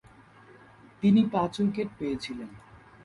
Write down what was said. তিনি পাঁচ উইকেট পেয়েছিলেন।